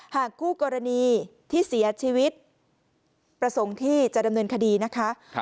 หากคู่กรณีที่เสียชีวิตประสงค์ที่จะดำเนินคดีนะคะ